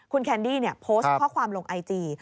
คุณแคนดี้โพสต์ข้อความลงไอจี